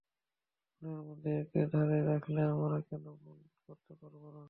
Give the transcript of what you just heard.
মনের মধ্যে একে ধরে রাখলে আমরা কোনো ভুল করতে পারব না।